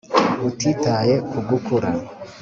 utitaye ku gukura,